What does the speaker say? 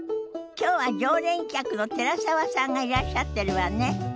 きょうは常連客の寺澤さんがいらっしゃってるわね。